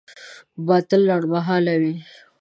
باطل لنډمهاله وي.